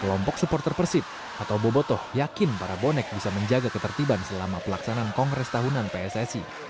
kelompok supporter persib atau bobotoh yakin para bonek bisa menjaga ketertiban selama pelaksanaan kongres tahunan pssi